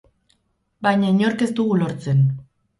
Baina inork ez dugu lortzen.